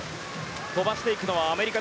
飛ばしていくのはアメリカ。